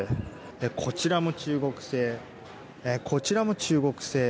こちらも中国製こちらも中国製。